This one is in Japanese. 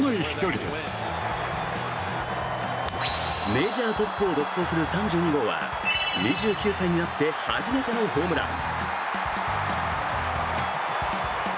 メジャートップを独走する３２号は２９歳になって初めてのホームラン。